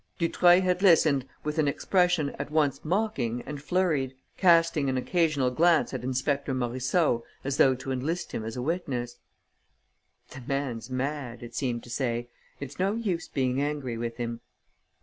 Dutreuil had listened with an expression at once mocking and flurried, casting an occasional glance at Inspector Morisseau as though to enlist him as a witness: "The man's mad," it seemed to say. "It's no use being angry with him."